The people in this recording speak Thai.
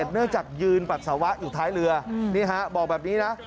เนื่องจากยืนปัสสาวะอยู่ท้ายเรือนี่ฮะบอกแบบนี้นะ